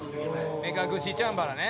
目隠しチャンバラね。